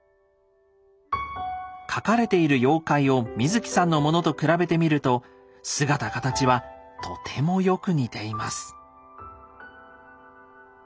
描かれている妖怪を水木さんのものと比べて見ると姿形はとてもよく似ています。